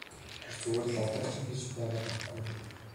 Тэр зүгээр л алдааг чинь хэлж байгаа байхгүй юу!